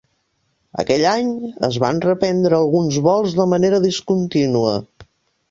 Aquell any, es van reprendre alguns vols de manera discontínua.